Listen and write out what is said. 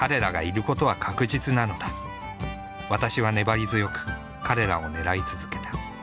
「ワタシ」は粘り強く彼らを狙い続けた。